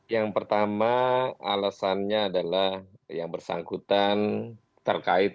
yang pertama alasannya adalah yang bersangkutan terkait